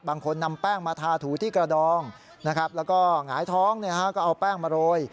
บางคนนำแป้งมาทาถูที่กระดองนะครับแล้วก็หงายท้องก็เอาแป้งมาโรย